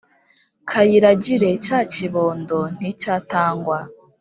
kayiragire cya kibondo nticyatangwa !